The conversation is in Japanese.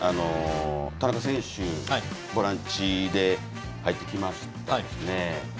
田中選手、ボランチで入ってきますかね。